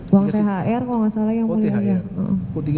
uang thr kalau nggak salah ya mulia ya